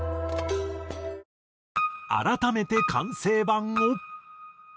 改めて完成版を。